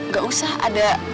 gak usah ada